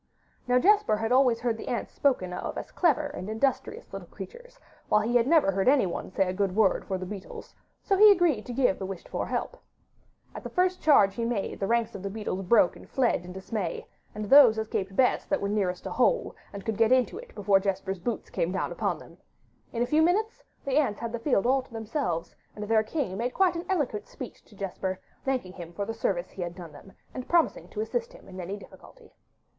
Now Jesper had always heard the ants spoken of as clever and industrious little creatures, while he never heard anyone say a good word for the beetles, so he agreed to give the wished for help. At the first charge he made, the ranks of the beetles broke and fled in dismay, and those escaped best that were nearest a hole, and could get into it before Jesper's boots came down upon them. In a few minutes the ants had the field all to themselves; and their king made quite an eloquent speech to Jesper, thanking him for the service he had done them, and promising to assist him in any difficulty.